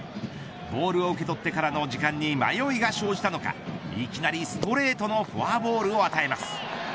ボールを受け取ってからの時間に迷いが生じたのかいきなりストレートのフォアボールを与えます。